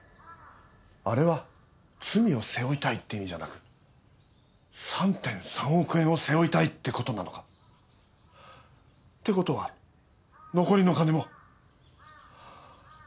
あれは罪を背負いたいって意味じゃなく３．３億円を背負いたいって事なのか？って事は残りの金も。